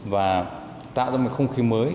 và tạo ra một không khí mới